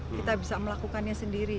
kita bisa melakukannya sendiri